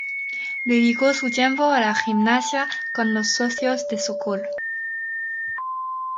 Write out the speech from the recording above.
Dedicó su tiempo a la gimnasia con los socios de Sokol.